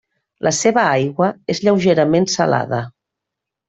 La seva aigua és lleugerament salada.